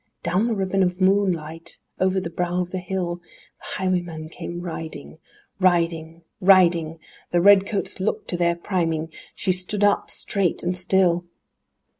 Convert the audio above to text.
Down the ribbon of moonlight, over the brow of the hill, The highwayman came riding, Riding, riding! The red coats looked to their priming! She stood up, straight and still!